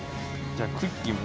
じゃあクッキーも。